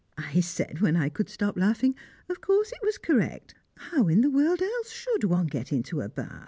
I said, when I could stop laughing, of course it was correct, how in the world else should one get into a bath?